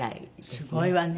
すごいわね。